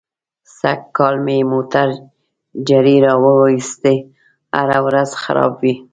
سږ کال مې موټر جرړې را و ایستلې. هره ورځ خراب وي.